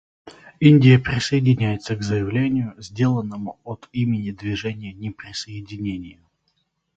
Индия присоединяется к заявлению, сделанному от имени Движения неприсоединения.